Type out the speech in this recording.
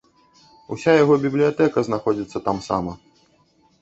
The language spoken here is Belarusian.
Уся яго бібліятэка знаходзіцца тамсама.